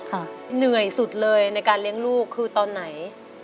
เหนื่อยสุดเลยในการเลี้ยงลูกคือตอนไหน